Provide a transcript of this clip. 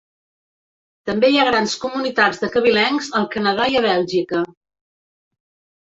També hi ha grans comunitats de cabilencs al Canadà i a Bèlgica.